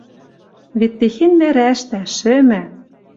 Вет техень нӓрӓштӓ, шӹмӓ.